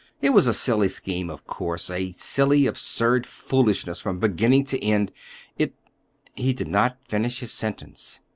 It was a silly scheme, of course,—a silly, absurd foolishness from beginning to end. It—" He did not finish his sentence.